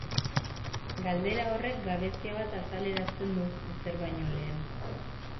Galdera horrek gabezia bat azaleratzen du, ezer baino lehen.